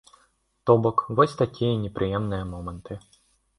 То бок вось такія непрыемныя моманты.